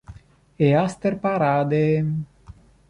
Easter Parade